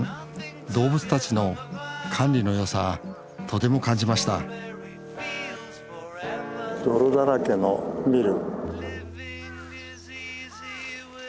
動物たちの管理の良さとても感じました泥だらけのニル。